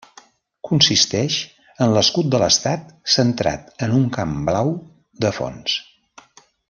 Consisteix en l'escut de l'estat centrat en un camp blau de fons.